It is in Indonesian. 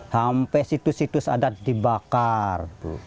sampai situs situs adat dibakar